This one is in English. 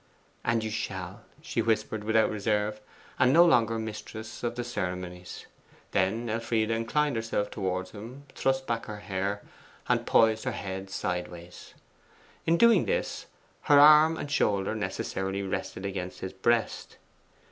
'And you shall,' she whispered, without reserve, and no longer mistress of the ceremonies. And then Elfride inclined herself towards him, thrust back her hair, and poised her head sideways. In doing this her arm and shoulder necessarily rested against his breast.